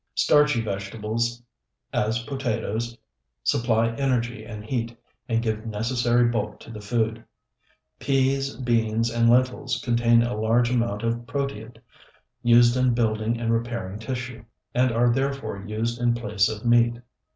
Starchy vegetables, as potatoes, supply energy and heat, and give necessary bulk to the food. Peas, beans, and lentils contain a large amount of proteid, used in building and repairing tissue, and are therefore used in place of meat.